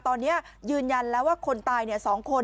ตอนนี้ยืนยันแล้วว่าคนตาย๒คน